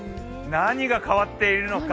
何が変わっているのか。